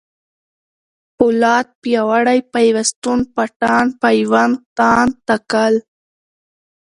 پولاد ، پیاوړی ، پيوستون ، پټان ، پېوند ، تاند ، تکل